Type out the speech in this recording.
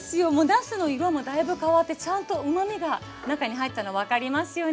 なすの色もだいぶ変わってちゃんとうまみが中に入ったの分かりますよね。